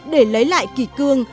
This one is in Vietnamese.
để lấy lại kỳ cương